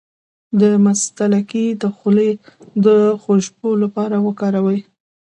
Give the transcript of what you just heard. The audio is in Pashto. د مصطکي د خولې د خوشبو لپاره وکاروئ